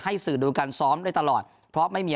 สื่อดูการซ้อมได้ตลอดเพราะไม่มี